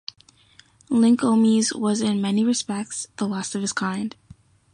Linkomies was in many respects the last of his kind.